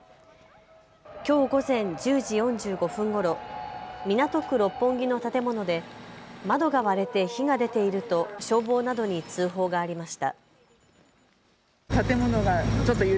きょう午前１０時４５分ごろ、港区六本木の建物で窓が割れて火が出ていると消防などに通報がありました。